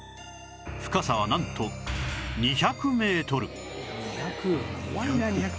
深さはなんと２００メートル２００？